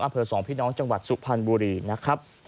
อำเภอสองพี่น้องจังหวัดสุพรรณบุรีนะครับ